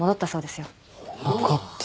よかった。